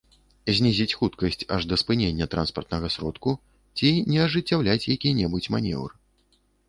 Знізіць хуткасць аж да спынення транспартнага сродку ці не ажыццяўляць які-небудзь манеўр